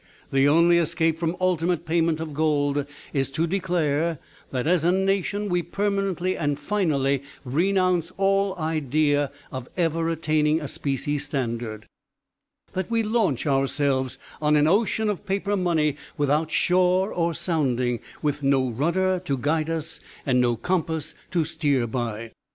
The only escape from ultimate payment of gold is to declare that as a nation we permanently and finally renounce all idea of ever attaining a specie standard that we launch ourselves on an ocean of paper money without shore or sounding, with no rudder to guide us and no compass to steer by.